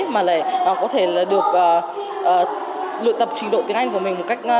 mà lại có thể được luyện tập trình độ tiếng anh của mình một cách